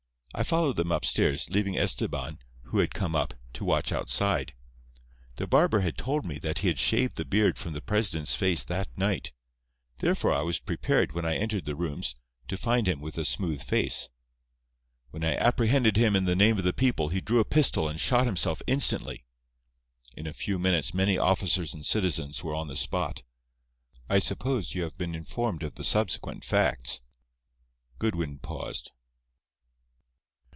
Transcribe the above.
I followed them upstairs, leaving Estebán, who had come up, to watch outside. The barber had told me that he had shaved the beard from the president's face that night; therefore I was prepared, when I entered the rooms, to find him with a smooth face. When I apprehended him in the name of the people he drew a pistol and shot himself instantly. In a few minutes many officers and citizens were on the spot. I suppose you have been informed of the subsequent facts." Goodwin paused.